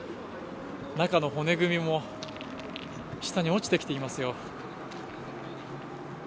中の骨組みも下に落ちてきていますよ。